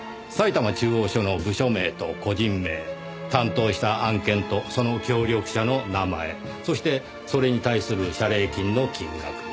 埼玉中央署の部署名と個人名担当した案件とその協力者の名前そしてそれに対する謝礼金の金額。